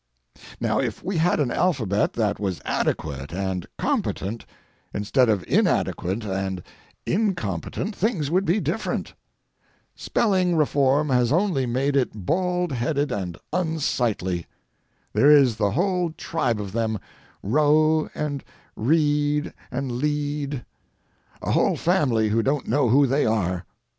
Now, if we had an alphabet that was adequate and competent, instead of inadequate and incompetent, things would be different. Spelling reform has only made it bald headed and unsightly. There is the whole tribe of them, "row" and "read" and "lead"—a whole family who don't know who they are.